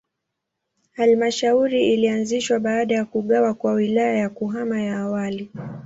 Halmashauri ilianzishwa baada ya kugawa kwa Wilaya ya Kahama ya awali.